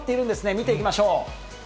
見ていきましょう。